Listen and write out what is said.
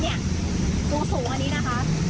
ถ้าจะเห็นนี่สูงอันนี้นะคะ